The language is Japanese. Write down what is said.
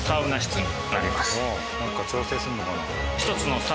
なんか調整するのかな？